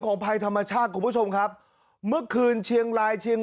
ภัยธรรมชาติคุณผู้ชมครับเมื่อคืนเชียงรายเชียง